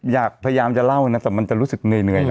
พยายามจะเล่านะแต่มันจะรู้สึกเหนื่อย